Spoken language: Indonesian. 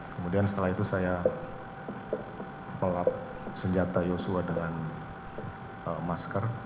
kemudian setelah itu saya pelap senjata yosua dengan masker